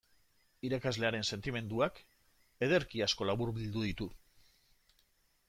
Irakaslearen sentimenduak ederki asko laburbildu ditu.